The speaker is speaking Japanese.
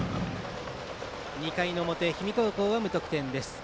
２回の表、氷見高校は無得点です。